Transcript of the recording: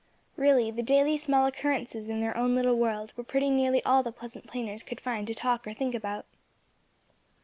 Really the daily small occurrences in their own little world were pretty nearly all the Pleasant Plainers could find to talk or think about.